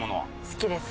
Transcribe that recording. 好きです。